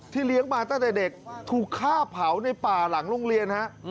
เลี้ยงมาตั้งแต่เด็กถูกฆ่าเผาในป่าหลังโรงเรียนฮะ